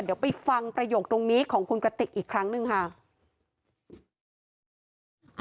เดี๋ยวไปฟังประโยคตรงนี้ของคุณกระติกอีกครั้งหนึ่งค่ะ